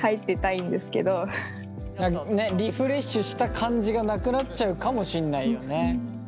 リフレッシュした感じがなくなっちゃうかもしんないよね。